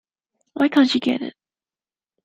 Why can't you get it?